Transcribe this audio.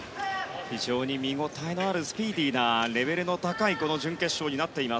非常に見応えのあるスピーディーなレベルの高いこの準決勝になっています。